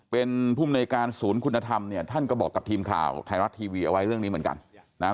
เป็นคุณภาษาสูญคุณธรรมนี่ท่านก็บอกกับทีมข่าวไทยรัชทีวีเอาไว้เรื่องนี้เหมือนกัน